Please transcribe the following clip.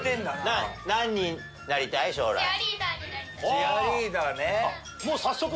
チアリーダーね。